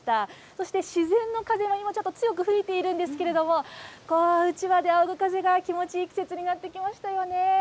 そして、自然の風が今ちょっと強く吹いているんですけれども、こううちわであおぐ風が気持ちいい季節になってきましたよね。